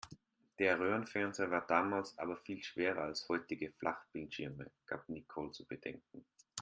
Der Röhrenfernseher war damals aber viel schwerer als heutige Flachbildschirme, gab Nicole zu bedenken.